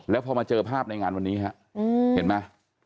แล้วพอมาเจอภาพในงานวันนี้ฮะเห็นไหม